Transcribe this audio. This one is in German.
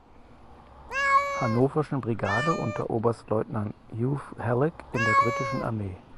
Hannoverschen Brigade unter Oberstleutnant Hugh Halkett in der britischen Armee.